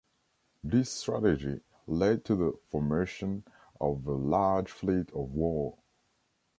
This strategy led to the formation of a large fleet of war.